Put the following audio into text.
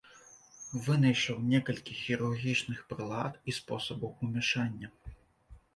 Вынайшаў некалькі хірургічных прылад і спосабаў умяшання.